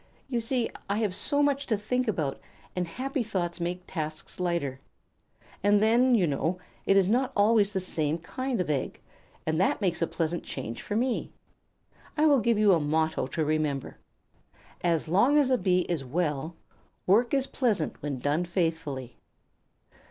You see, I have so much to think about, and happy thoughts make tasks light. And then, you know, it is not always the same kind of egg, and that makes a pleasant change for me. I will give you a motto to remember: 'As long as a Bee is well, work is pleasant when done faithfully.'"